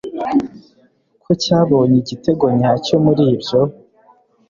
ko cyabonye igitego nyacyo muri ibyo